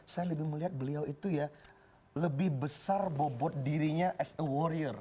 saya lebih melihat beliau itu ya lebih besar bobot dirinya as a warrior